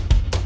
ya aku sama